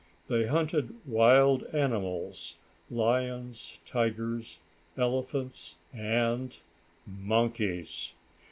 They hunted wild animals lions, tigers, elephants and monkeys.